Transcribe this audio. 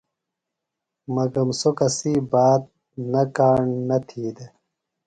مگم سوۡ کسی بات نہ کاݨ نہ تھی دےۡ۔